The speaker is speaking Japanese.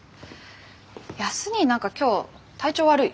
康にぃ何か今日体調悪い？